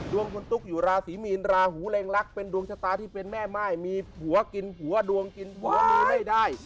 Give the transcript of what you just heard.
ดวงคุณตุ๊กอยู่ราศีมีนราหูเร็งลักษณ์เป็นดวงชะตาที่เป็นแม่ม่ายมีผัวกินผัวดวงกินผัวมีไม่ได้